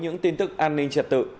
những tin tức an ninh trật tự